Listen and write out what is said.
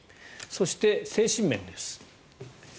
そして、精神面です。